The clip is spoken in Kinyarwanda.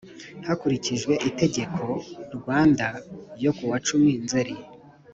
Hakurikijwe itegeko Rwanda n yo kuwacumi nzzeri